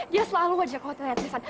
dia selalu aja ke hotelnya tristan